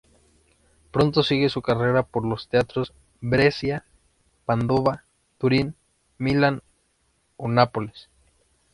Pronto sigue su carrera por los teatros de Brescia, Padova, Turín, Milán o Nápoles.